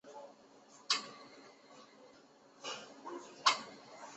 他与其他英国代表队的成员在谢菲尔德的的游泳综合设施接受训练。